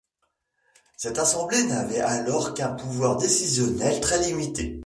Cette assemblée n'avait alors qu'un pouvoir décisionnel très limité.